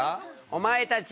お前たち。